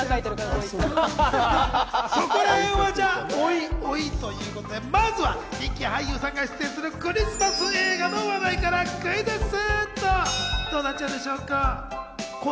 そこらへんはおいおいということで、まずは人気俳優さんが出演するクリスマス映画の話題からクイズッス。